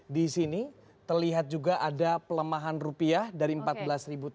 disini terlihat juga ada pelemahan rupiah dari empat belas tujuh ratus lima puluh tiga ke empat belas tiga ratus sembilan puluh